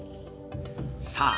◆さあ、